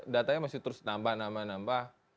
datanya masih terus nambah nambah nambah